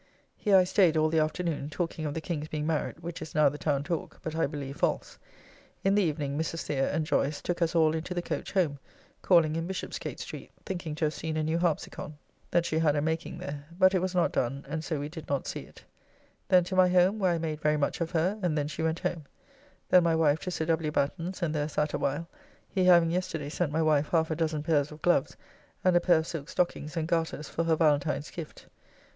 Here I staid all the afternoon talking of the King's being married, which is now the town talk, but I believe false. In the evening Mrs. The. and Joyce took us all into the coach home, calling in Bishopsgate Street, thinking to have seen a new Harpsicon [The harpsichord is an instrument larger than a spinet, with two or three strings to a note.] that she had a making there, but it was not done, and so we did not see it. Then to my home, where I made very much of her, and then she went home. Then my wife to Sir W. Batten's, and there sat a while; he having yesterday sent my wife half a dozen pairs of gloves, and a pair of silk stockings and garters, for her Valentine's gift.